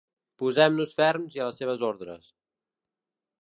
Posem-nos ferms i a la seves ordres.